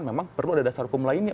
memang perlu ada dasar hukum lainnya